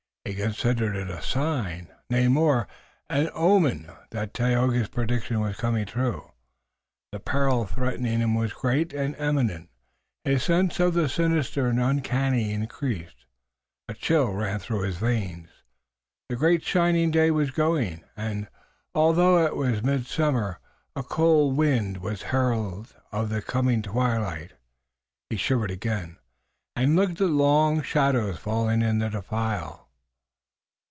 He considered it a sign, nay more, an omen that Tayoga's prediction was coming true. The peril threatening them was great and imminent. His sense of the sinister and uncanny increased. A chill ran through his veins. The great shining day was going, and, although it was midsummer, a cold wind was herald of the coming twilight. He shivered again, and looked at the long shadows falling in the defile.